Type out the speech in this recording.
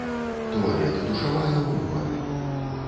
Туалет і душавая ў нумары.